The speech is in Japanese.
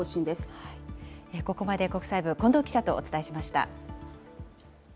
ここまで、国際部、近藤記者とお伝えしました。